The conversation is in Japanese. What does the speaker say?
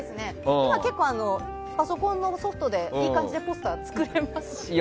結構、パソコンのソフトでいい感じでポスター作れますしね。